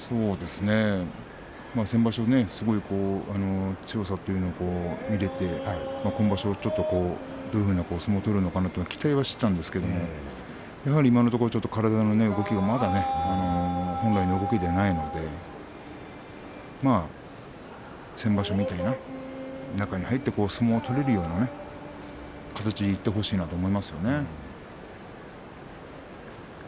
先場所、すごい強さというのを見ることができて今場所ちょっとどういうふうな相撲を取るのかなと期待はしていたんですけどやはり今のところ体の動きもまだ本来の動きではないので先場所みたいな中に入って相撲を取れるような形でいってほしいなと思いますよね。